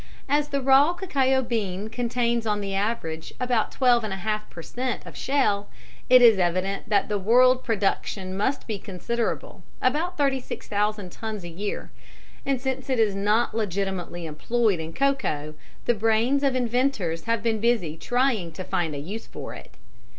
As the raw cacao bean contains on the average about twelve and a half per cent. of shell, it is evident that the world production must be considerable (about 36,000 tons a year), and since it is not legitimately employed in cocoa, the brains of inventors have been busy trying to find a use for it.